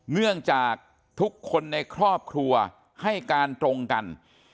เนื่องจากทุกคนในครอบครัวให้การตรงกัน